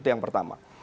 itu yang pertama